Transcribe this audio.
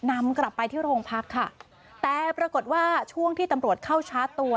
นำกลับไปที่โรงพักค่ะแต่ปรากฏว่าช่วงที่ตำรวจเข้าชาร์จตัว